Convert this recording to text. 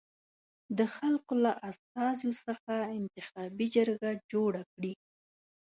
د خلکو له استازیو څخه انتخابي جرګه جوړه کړي.